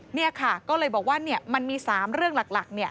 นี่ค่ะก็เลยบอกว่ามันมี๓เรื่องหลัก